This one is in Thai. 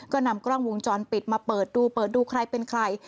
ก็นำกล้องวงจรปิดมาเปิดดูเปิดดูใครเป็นใคร